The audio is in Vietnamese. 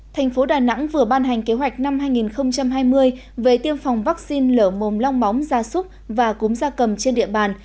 thành phố đà nẵng vừa ban hành kế hoạch năm hai nghìn hai mươi về tiêm phòng vaccine lở mồm long móng da súc và cúm da cầm trên địa bàn